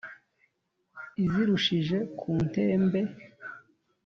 izirushije ku ntembe,